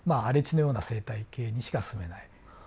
荒れ地のような生態系にしか住めない。